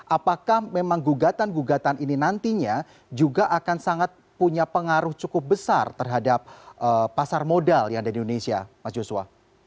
apakah memang gugatan gugatan ini nantinya juga akan sangat punya pengaruh cukup besar terhadap pasar modal yang ada di indonesia mas joshua